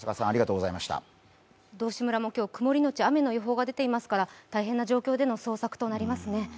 道志村も今日、曇りのち雨の予報が出ていますから大変な状況での捜索となりますね。